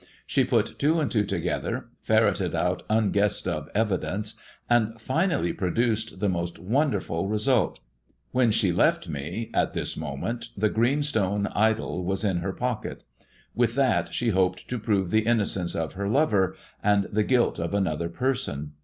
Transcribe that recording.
She put two and two together, ferreted out unguessed of evidence, and finally produced the most won THE GREEN STONE OOD AND TEE STOCKBBOKEB 271 derf til result. Wlien she left me at this moment the green stone idol was in her pocket. With that she hoped to ' prove the innocence of her lover and the guilt of another person.